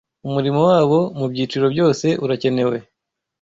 Umurimo wabo mu byiciro byose urakenewe